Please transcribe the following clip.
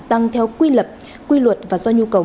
tăng theo quy luật và do nhu cầu